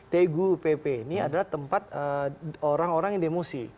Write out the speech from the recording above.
tgupp ini adalah tempat orang orang yang demosi